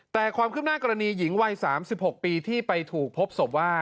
แต่ความคืบหน้ากรณีหญิงวัย๓๖ปีที่ไปถูกพบศพว่า